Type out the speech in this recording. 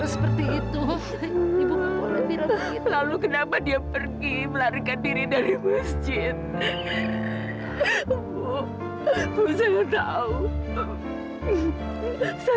sampai jumpa di video selanjutnya